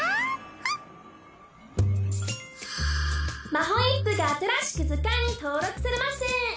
マホイップが新しく図鑑に登録されます。